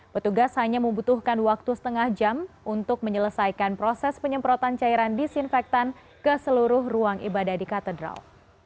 petugas hanya membutuhkan waktu setengah jam untuk menyelesaikan proses penyemprotan cairan disinfektan ke seluruh ruang ibadah di katedral